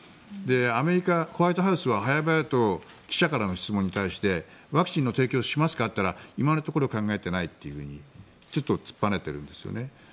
アメリカ・ホワイトハウスは早々と記者からの質問に対してワクチンの提供しますか？と言ったら今のところ考えていないとちょっと突っぱねているんですよね。